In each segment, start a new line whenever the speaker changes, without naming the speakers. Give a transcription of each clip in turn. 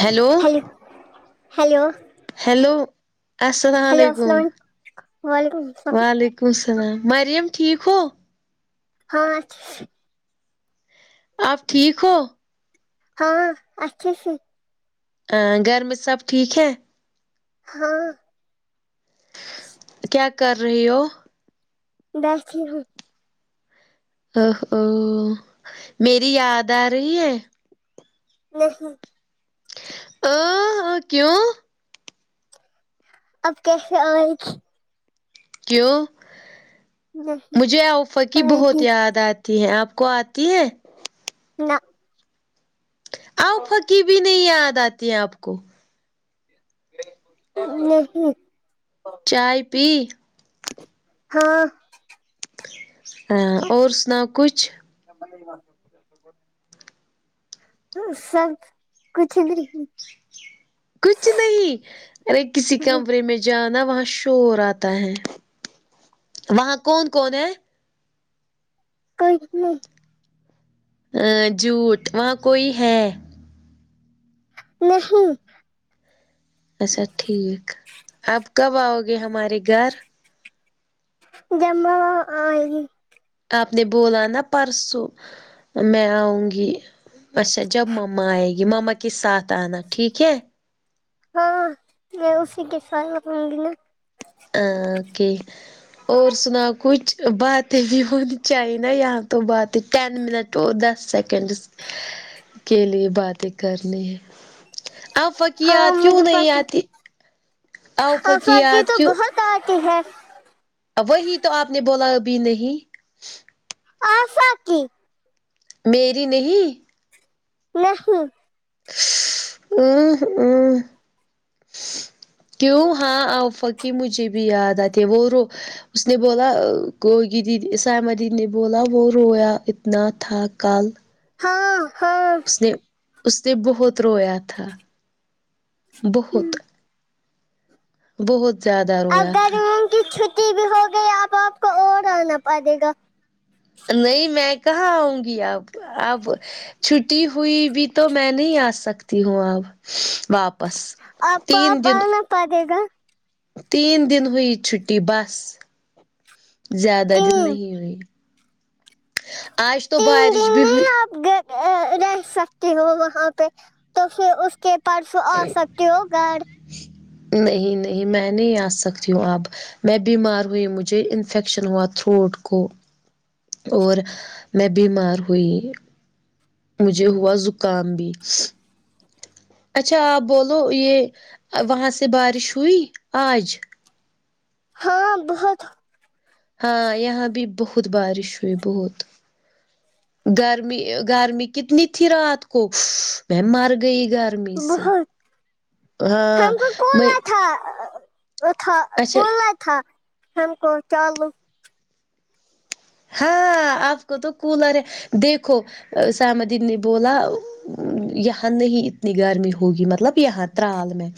Hello
hello
hello
hello
السلاوعلیکم
السلام وعلیکم السلام
وعلیکم کم وسلام مریم ٹھیک ہو
ہاں
آپ ٹھیک ہو
ہاں اچھی سی
اں گھر میں سب ٹھیک ہے
ہاں
کیا کر رہی ہو
بیٹھی ہوں
او ہ او میری یاد آ رہی ہے
نہیں
اں ہ کیوں
اب کیسے آےگی
کیوں
نہیں
مجھے اوفق کی
آئے
بہت
گی
یاد آت تی ہیں آپ کو آتی ہے
نہ
اوفق کی بھی نہیں یاد آتی آپ کو
نہیں
چائے پی
ہاں
ہاں اور سناؤ کچھ
[inaudible] تو سب کچھ نہیں
کچھ نہیں ارے کسی
ہاں
کمرے میں جانا وہاں شور آتا ہے وہاں کون کون ہے
کوئی نہیں
ہاں جوٹ وہاں کوئی ہے
نہیں
اچھا ٹھیک آپ کب آؤ گے ہمارے گھر
جب میں وہاں آونگی
آپ نے بولا نا پرسوں میں آؤں گی اچھا جب مما آئے گی مما کے ساتھ آنا ٹھیک ہے
ہاں میں اسی کے ساتھ رھوں گی نا
ہ اوکے اور سنا کچھ باتیں بھی ہونی چاہی نا یہاں تو باتیں ٹین منٹ تو دس سیکنڈس کے لیے باتیں کرنی ہے اوفق کی یاد کیوں نہیں آتی آفا
اوفق کی
یاد
تو بہت آتی ہے
اب وہی تو آپ نے بولا ابھی نہیں
آفق کی
میری نہیں
نہیں
ش ام ہ ش کیوں ہاں آوفق کی مجھے بھی یاد آتی وہ رو اس نے بولا گوگی دید سایمہ دیدی نے بولا وہ رویا اتنا تھا کل
ہاں ہاں
اس نے اس نے بہت رویا تھا بہت بہت زیادہ
اب
رویا تھا
گرمیوں کی چھٹی بھی ہوگئی اب آپ کو اور آنا پڑے گا
نہیں میں کہاں آؤں گی اب اب چھٹی ہوئی بھی تو میں نہیں آ سکتی ہوں اب واپ
آپ کو اب آنا پڑے گا
تین دن ہوئی چھٹی بس زیادہ دن
تین
نہیں ہوئی آج تو
تین
بارش
دن
بھی ہوی
نہیں رہ سکتی ہو وہاں پہ تو پھر اس کے پرسوں آسکتے ہو گھر
نہیں نہیں میں نہیں آ سکتی ہوں اب میں بیمار ہوئی مجھے انفیکشن ہوا تھروٹ کو اور میں بیمار ہوئی مجھے ہوا زکام بھی اچھا آپ بولو یہ وہاں سے بارش ہوئی آج
ہاں بہت
ہاں یہاں بھی بہت بارش ہوئی بہت گرمی گرمی کتنی تھی رات کو میں مر گئی گھر
بہت ہم کو
میں
کھولنا تھا وہ تھا
اچھا
کنا تھا ہم کو چالو
ہاں آپ کو تو کولر ہے دیکھو سمدین نے بولا یہاں نہیں اتنی گرمی ہوگی مطلب یہاں ترال میں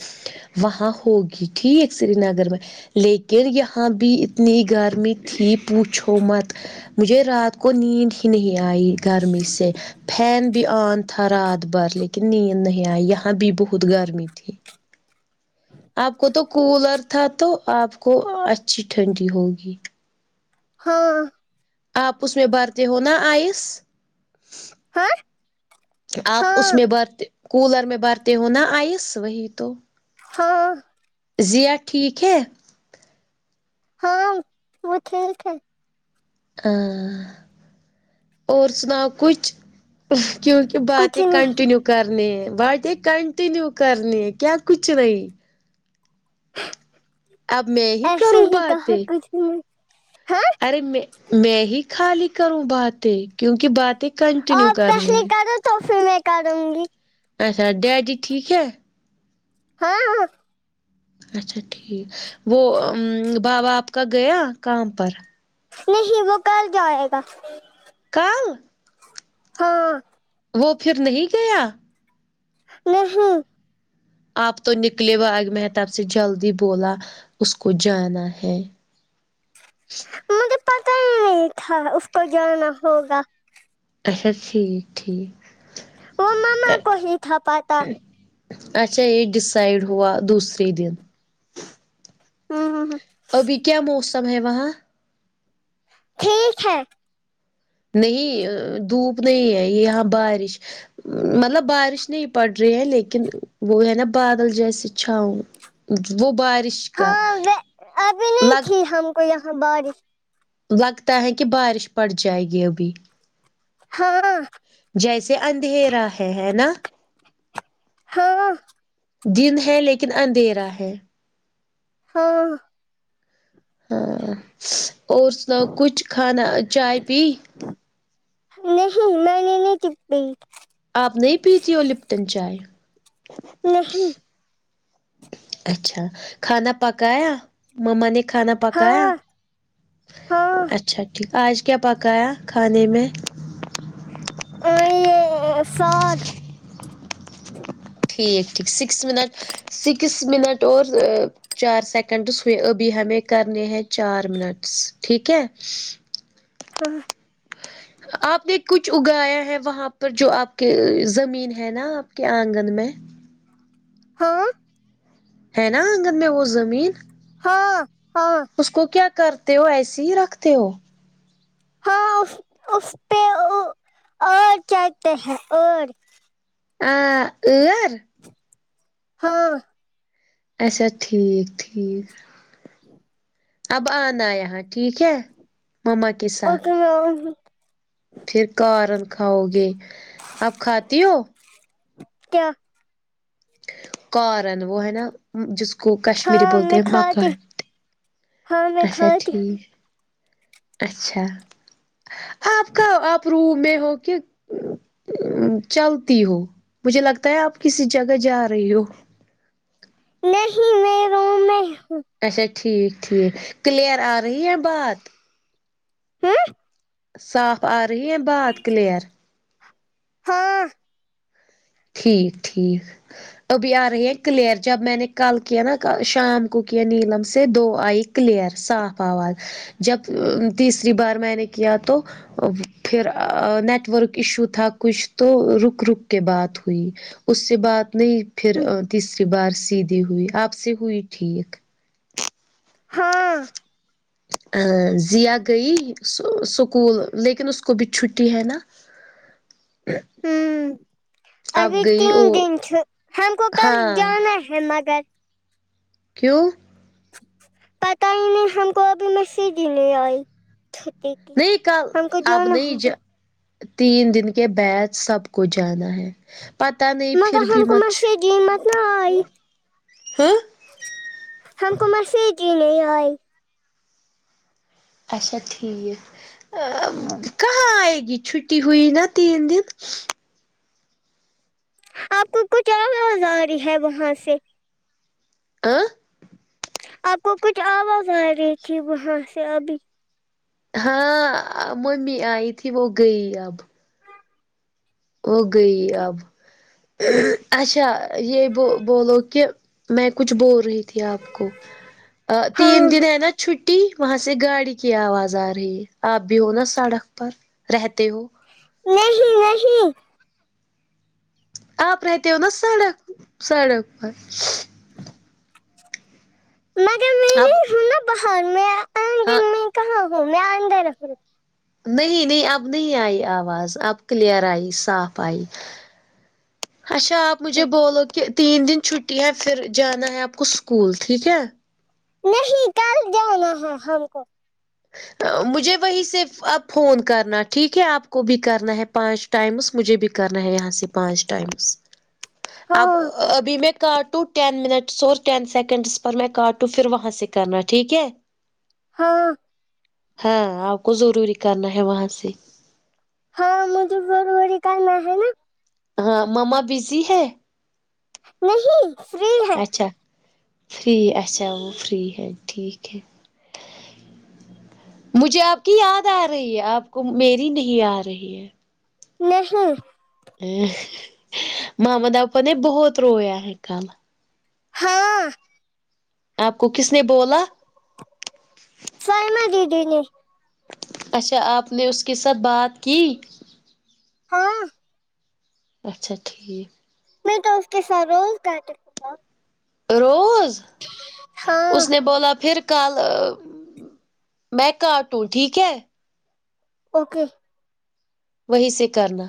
وہاں ہوگی ٹھیک سری نگر میں لیکن یہاں بھی اتنی گرمی تھی پوچھو مت مجھے رات کو نیند ہی نہیں آئی گرمی سے فین بھی آن تھا رات بھر لیکن نیند نہیں آئی یہاں بھی بہت گرمی تھی [unintelligible] آپ کو تو کولر تھا تو آپ کو اچھی ٹھنڈی ہوگی
ہاں
آپ اس میں بھرتے ہو نا آئس
ہاں
آپ اس
ہاں
میں بر کولر میں برتے ہو نا آئس وہی تو
ہاں
زیئہ ٹھیک ہے
ہاں وہ کھیل تھ
ہاں اور سناؤ کچھ کیونکہ کہ
کچھ
باتیں
نہیں
کنٹینیو کرنی ہے باتیں کنٹینیو کرنی ہے کیا کچھ نہیں اب میں
ایسے
کروں
ہی کہا
باتیں
کچھ نہیں ہاں
ارے میں میں ہی خالی کروں باتیں کیونکہ باتیں کنٹینیو
آپ
کرنی
پہلے
ہے
کرو تو فھر میںے کروں گی
اچھا ڈیڈی ٹھیک ہے
ہاں ہ
اچھا ٹھیک وہ بابا آپ کا گیا کام پر
نہیں وہ کل جائے گا
کل
ہاں
وہ پھر نہیں گیا
نہیں
آپ تو نکلے باگ محتاب سے جلدی بولا اس کو جانا ہے
مجھے پتا ہی نہیں تھا اس کو جانا ہوگا
اچھا ٹھیک ٹھیک
وہ ماما کو ہی تھا پاتا
اچھا یہ ڈسائڈ ہوا دوسرے دن
ہوں ہوں ہم
ابھی کیا موسم ہے وہاں
ٹھیک ہے
نہیں دھوپ نہیں ہے یہ یہاں بارش مطلب بارش نہیں پڑ رہی ہے لیکن وہ ہے نا بادل جیسی چھاؤں وہ بارش کا
ہاں ابھی نہیں
لگ
تھی ہم کو یہاں بارش
لگتا ہے کہ بارش پڑ جائے گی ابھی
ہاں
جیسے اندھیرا ہے ہے نا
ہاں
دن ہے لیکن اندھیرا ہے
ہاں
ہاں اور سناؤ کچھ کھانا چائے پی
نہیں میں نے نہیں پی
آپ نہیں پیتی ہو لپٹن چائے
نہیں
اچھا کھانا پکایا مما نے کھانا پکایا
ہاں ہاں
اچھا اچھا ٹھیک آج کیا پکایا کھانے میں
آ، یہ ساگ
ٹھیک ٹھیک سکس منٹ سکس منٹ اور چار سیکنڈس ہوئے ابھی ہمیں کرنے ہیں چار منٹس ٹھیک ہے
[unintelligible]
آپ نے کچھ اگایا ہے وہاں پر جو آپ کے زمین ہے نا آپ کے آنگن میں
ہاں
ہے نا آنگن میں وہ زمین
ہاں ہاں
اس کو کیا کرتے ہو ایسیے ہی رکھتے ہو
ہاں اس اس پڑھ آرٹ کہتے ہیں ارت
آ لر
ہاں
اچھا ٹھیک ٹھیک اب آنا آ یہاں ٹھیک ہے مما کس
اوکے [unintelligible] گ
پھر کارن کھاؤ گے آپ کھاتی ہو
کیا
کارن وہ ہے نا جس کو کشمیری
ہاں
بولتے
میں
ہیں مکا
کھاتی ہاں میں
اچھا
کھاتی
ٹھیک اچھا آپ کہا آپ روم میں ہو کہ چلتی ہو مجھے لگتا ہے آپ کسی جگہ جا رہی ہو
نہیں میں روم میں ہوں
اچھا ٹھیک ٹھیک کلیئر آ رہی ہے بات
ہمم
صاف آ رہی ہے بات کلیئر
ہاں
ٹھیک ٹھیک ابھی آ رہی ہیں کلیئر جب میں نے کل کیا نہ شام کو کیا نیلم سے دو آئ کلیئر صاف آواز جب تیسری بار میں نے کیا تو پھر ا نیٹورک ایشو تھا کچھ تو رک رک کے بات ہوئی اس سے بات نہیں پھر
ہوں،
تیسری بار سیدھی ہوئی آپ سے ہوئی ٹھیک
ہاں
ا ضیاء گئی سکول لیکن اس کو بھی چھٹی ہے نہ [inaudible]
ہوں ابھی
گئی
تین
وہ
دن چٹ ہم کو کل
ہاں
جانا ہے ہے مگر
کیوں
پتا ہی نہیں ہم کو ابھی میسج ہی نہیں آئی چھٹی کی
نہیں کل
ہم کو
اب
جانا
نہیں
ہوگا
جا تین دن کے بعد سب کو جانا ہے پتہ نہیں پھر
مگر
بھی
ہم کو
مچ
میسج ہی مت نہ آئی
ہاں
ہم کو مسیج ہی نہیں آئی
اچھا ٹھیک ا کہاں آئگی چھٹی ہوئی نہ تین دن
آپ کو کچھ آواز آرہی ہے وہاں سے
اں
آپ کو کچھ آواز آ رہی تھی وہاں سے ابھی
ہاں ممی آئی تھی وہ گئی اب وہ گئی
کی۔
اب اچھا یہ بو بولو کہ میں کچھ بول رہی تھی آپ کو تین
ہاں
دن ہے نہ چھٹی وہاں سے گاڑی کی آواز آ رہی ہے آپ بھی ہو نہ سڑک پر رہتے ہو
نہیں نہیں
آپ رہتی ہو نہ سڑک سڑک پر
مگر میں
اب
کیوں نہ بہت باہر میں آئے
ہاں
تم کہاں ہو میں آندر رکھ رہی ہوں
نہیں نہیں اب نہیں آئی آواز اب کلیئر آئی صاف آئی اچھا آپ مجھے بولو کہ تین دن چھٹی ہے پھر جانا ہے آپ کو اسکول ٹھیک ہے
نہیں کل جانا ہے ہم کو
مجھے وہی سے اب فون کرنا ٹھیک ہے آپ کو بھی کرنا ہے پانچ ٹائمس مجھے بھی کرنا ہے یہاں سے پانچ ٹائمس اب
ہاں
ابھی میں کاٹوں ٹین منٹس اور یین سیکنڈس پر میں کاٹوں پھر وہاں سے کرنا ٹھیک ہے
ہاں
ہاں آپ کو ضروری کرنا ہے وہاں سے
ہاں میں تو پھر بڑی کال کرنا ہے نہ
ہاں مما بزی ہے
نہیں فری ہے
اچھا فری اچھا وہ فری ہے ٹھیک ہے مجھے آپ کی یاد آ رہی ہے آپ کو میری نہیں آ رہی ہے
نہیں
ا محمد آپا نے بہت رویا ہے کل
ہاں
آپ کو کس نے بولا
سائمہ دیدی نے
اچھا آپ نے اس کے ساتھ بات کی
ہاں
اچھا ٹھیک
میں تو اس کے ساتھ روز کاٹوں
روز اس
ہاں
نے بولا پھر کل میں کاٹوں ٹھیک ہے
اوکے
وہیں سے کرنا